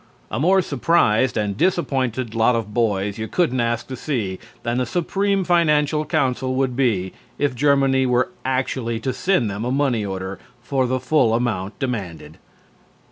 A more surprised and disappointed lot of boys you couldn't ask to see than the Supreme Financial Council would be if Germany were actually to send them a money order for the full amount demanded.